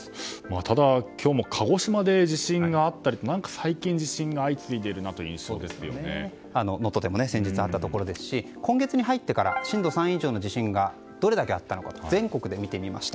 ただ、今日も鹿児島で地震があったりと何か最近地震が相次いでいるな能登でも先日あったところですし今月に入ってから震度３以上の地震がどれだけあったのか全国で見てみました。